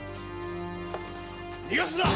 逃がすな！